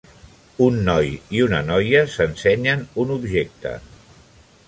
Un noi i una noia s'ensenyen un objecte.